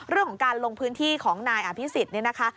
เรื่องของการลงพื้นที่ของนายอภิษฎเนี่ยนะคะ